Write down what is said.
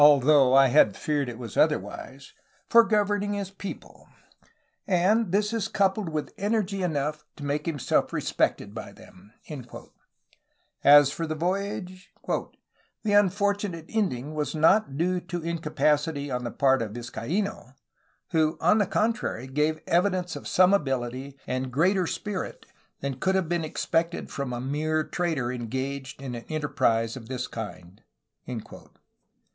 SEBASTIAN VIZCAINO 129 though I had feared it was otherwise) for governing his people, and this coupled with energy enough to make himself respected by them." As for the voyage "the unfortunate ending ... was not due to incapacity on the part of Vizcaino, who on the contrary gave evidence of some ability and greater spirit than could have been expected from a mere trader engaged in an enterprise of this kind."